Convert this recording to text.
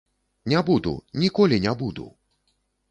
Не буду, ніколі не буду!